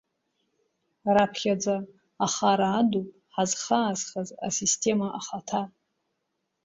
Раԥхьаӡа ахара адуп ҳазхаанхаз асистема ахаҭа.